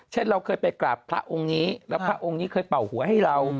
เช่นเราเคยไปกราบพระองค์นี้แล้วพระองค์นี้เคยเป่าหัวให้เรา